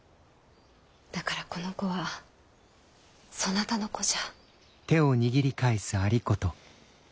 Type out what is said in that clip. だからこの子はそなたの子じゃ。